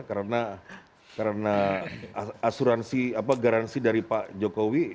karena karena asuransi apa garansi dari pak jokowi